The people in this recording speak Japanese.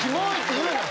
言うなよ。